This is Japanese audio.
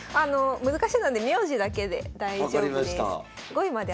難しいので名字だけで大丈夫です。